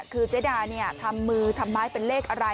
คือเจ๊ดาทำมือทำไม้เป็นเลขอะไร